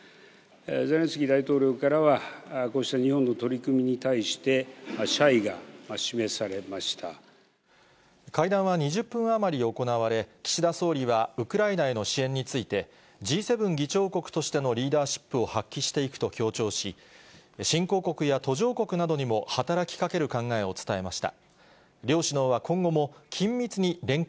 ゼレンスキー大統領からはこうした日本の取り組みに対して、会談は２０分余り行われ、岸田総理は、ウクライナへの支援について、Ｇ７議長国としてのリーダーシップを発揮していくと強調し、新興国や途上国などにも働きかける考えを伝えました。